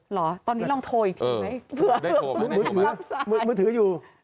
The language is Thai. หรอตอนนี้ลองโทย